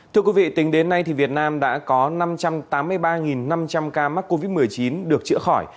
thưa quý vị tính đến nay việt nam đã có năm trăm tám mươi ba năm trăm linh ca mắc covid một mươi chín được chữa khỏi